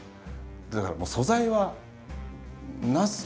だからもう素材はなす